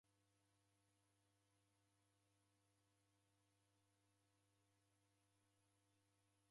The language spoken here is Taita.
Vadu vako naw'ona vasighwa kutakuka